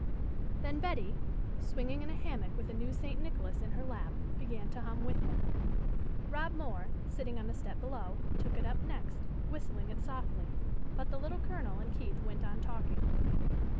Then Betty, swinging in a ham mock with a new St. Nicholas in her lap, began to hum with him. Rob Moore, sitting on the step below, took it up next, whistling it softly, but the Little Colonel and Keith went on talking.